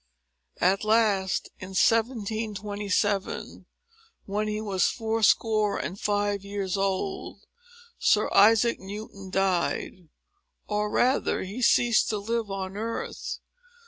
At last, in 1727, when he was fourscore and five years old, Sir Isaac Newton died,—or rather he ceased to live on earth.